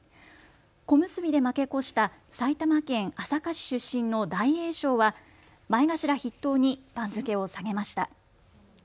小結で負け越した埼玉県朝霞市出身の大栄翔は前頭筆頭に番付を下げました。